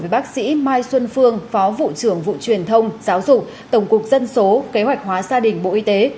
bác sĩ mai xuân phương phó vụ trưởng vụ truyền thông giáo dục tổng cục dân số kế hoạch hóa gia đình bộ y tế